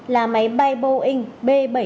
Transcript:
là máy bay boeing b bảy nghìn tám trăm bảy mươi chín